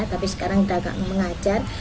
tapi sekarang tidak mengajar